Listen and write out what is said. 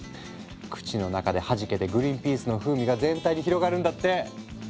口の中ではじけてグリンピースの風味が全体に広がるんだって。